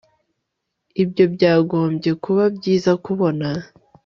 Ibyo byagombye kuba byiza kubona